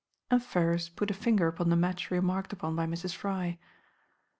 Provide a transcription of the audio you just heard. And Ferrars put a finger upon the match remarked upon by Mrs. Fry.